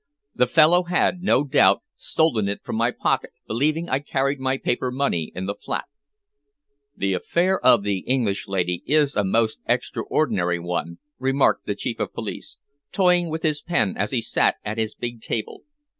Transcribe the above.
The fellow had, no doubt, stolen it from my pocket believing I carried my paper money in the flap. "The affair of the English lady is a most extraordinary one," remarked the Chief of Police, toying with his pen as he sat at his big table.